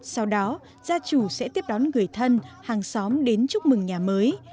sau đó gia chủ sẽ tiếp đón người thân hàng xóm đến chúc mừng nhà mới